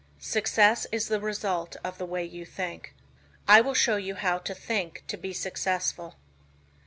Success is the result of the way you think. I will show you how to think to be successful.